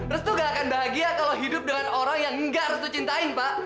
restu gak akan bahagia kalau hidup dengan orang yang enggak restu cintai pak